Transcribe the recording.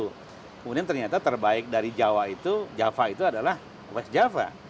kemudian ternyata terbaik dari java itu adalah west java